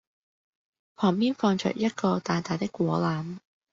旁邊放著一個大大的果籃